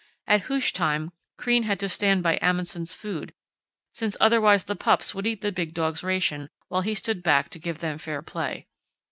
At hoosh time Crean had to stand by Amundsen's food, since otherwise the pups would eat the big dog's ration while he stood back to give them fair play.